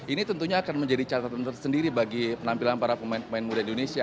ini tentunya akan menjadi catatan tersendiri bagi penampilan para pemain pemain muda indonesia